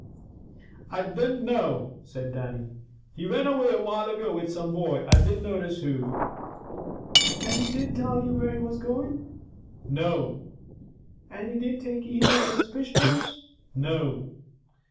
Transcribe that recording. "I dinna, know" said Dannie. "He went away a while ago with some boy, I didna notice who." "And he didn't tell you where he was going?" "No." "And he didn't take either of his fish poles?" "No."